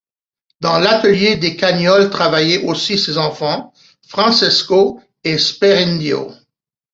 Dans l'atelier des Cagnole travaillaient aussi ses enfants Francesco et Sperindio.